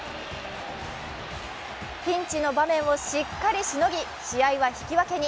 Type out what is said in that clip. ピンチの場面をしっかりしのぎ試合は引き分けに。